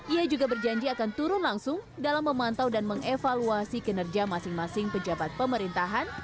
ia juga berjanji akan turun langsung dalam memantau dan mengevaluasi kinerja masing masing pejabat pemerintahan